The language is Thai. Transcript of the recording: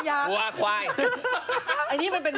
ปลาหมึกแท้เต่าทองอร่อยทั้งชนิดเส้นบดเต็มตัว